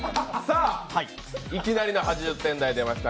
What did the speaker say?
いきなりの８０点台出ました